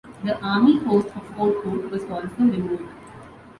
The Army post of Fort Hood was also removed.